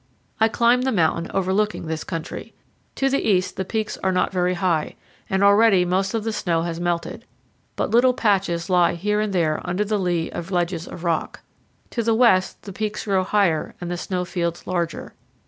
I climb the mountain overlooking this country. To the east the peaks are not very high, and already most of the snow has melted, but little patches lie here and there under the lee of ledges of rock. To the west the peaks grow higher and the snow fields larger.